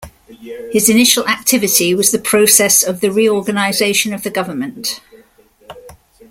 His initial activity was the process of the reorganization of the government.